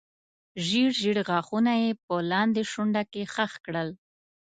ژېړ ژېړ غاښونه یې په لاندې شونډه کې خښ کړل.